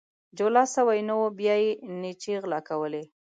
جولا سوى نه وو ، بيا يې نيچې غلا کولې.